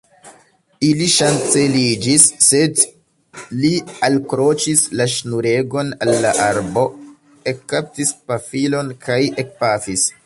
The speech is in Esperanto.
Ili ŝanceliĝis, sed li alkroĉis la ŝnuregon al la arbo, ekkaptis pafilon kaj ekpafis.